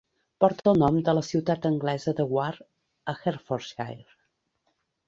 Porta el nom de la ciutat anglesa de Ware a Hertfordshire.